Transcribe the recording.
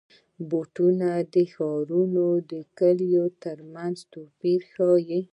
بوټونه د ښارونو او کلیو ترمنځ توپیر ښيي.